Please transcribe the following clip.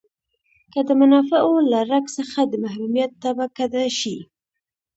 که د منافعو له رګ څخه د محرومیت تبه کډه شي.